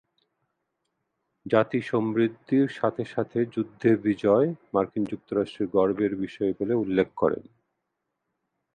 জাতি সমৃদ্ধির সাথে সাথে যুদ্ধে বিজয় মার্কিন যুক্তরাষ্ট্রের গর্বের বিষয় বলে উল্লেখ করেন।